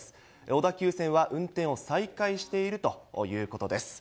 小田急線は運転を再開しているということです。